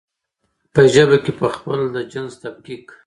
په ژبه کې پخپله د جنس تفکيک